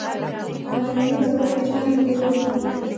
د میمونې څادر به چا موندلې وينه